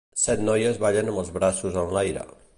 set noies ballen amb els braços enlaire.